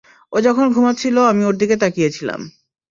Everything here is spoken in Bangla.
ও যখন ঘুমাচ্ছিল আমি ওর দিকে তাকিয়ে ছিলাম।